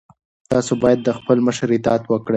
تاسو باید د خپل مشر اطاعت وکړئ.